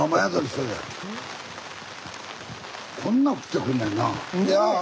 こんな降ってくんねんなあ。